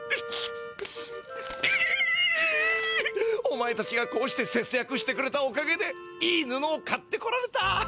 お前たちがこうしてせつやくしてくれたおかげでいいぬのを買ってこられた。